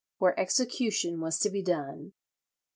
." where execution was to be done.